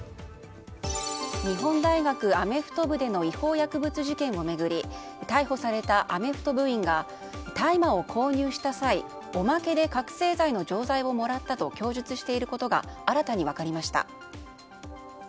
日本大学アメフト部での違法薬物事件を巡り逮捕されたアメフト部員が大麻を購入した際おまけで覚醒剤の錠剤をもらったと供述していることが新たに分かりました。